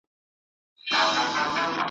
لاس مو تل د خپل ګرېوان په وینو سور دی ,